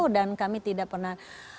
dan kami tidak pernah